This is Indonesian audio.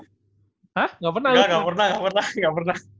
enggak gak pernah gak pernah gak pernah